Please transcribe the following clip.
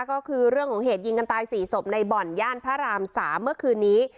ก็คือเรื่องของเหตุยิงกันตาย๔ศพในบ่อนย่านพระราม๓เมื่อคืนนี้